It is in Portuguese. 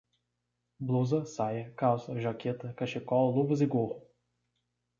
Blusa, saia, calça, jaqueta, cachecol, luvas e gorro